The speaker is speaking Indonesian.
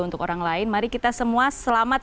untuk orang lain mari kita semua selamat